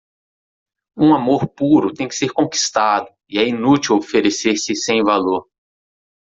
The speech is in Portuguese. Um amor puro tem que ser conquistado, é inútil oferecer-se sem valor.